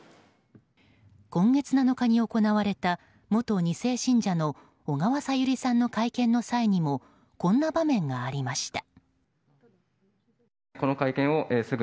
今月７日に行われた元２世信者の小川さゆりさんの会見の際にもこんな場面がありました。